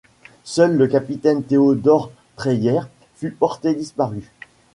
Seul le capitaine Theodor Dreyer fut porté disparu.